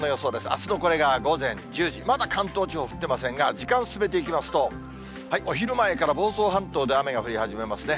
あすのこれが午前１０時、まだ関東地方、降ってませんが、時間進めていきますと、お昼前から房総半島で雨が降り始めますね。